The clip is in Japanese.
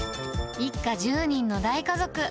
一家１０人の大家族。